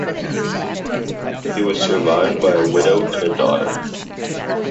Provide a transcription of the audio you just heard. He was survived by a widow and a daughter.